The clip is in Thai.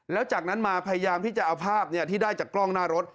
แล้วจากนั้นมาพยายามที่จะเอาภาพที่ได้จากกล้องหน้ารถ